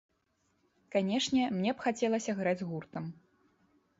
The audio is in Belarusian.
Канечне, мне б хацелася граць з гуртом.